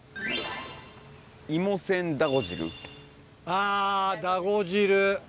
あだご汁。